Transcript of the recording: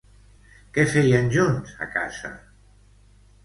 Què feien junts a casa?